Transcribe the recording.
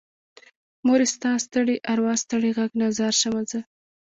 مورې ستا ستړي ارواه ستړې غږ نه ځار شمه زه